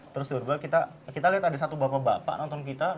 terus di luar belakang kita liat ada satu bapa bapak nonton kita